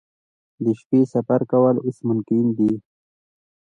د شپې سفر کول اوس ممکن دي